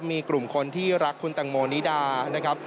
มีกลุ่มคนที่รักคุณตังโมนิดานะครับ